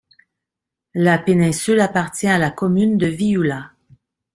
La péninsule appartient à la commune de Vihula.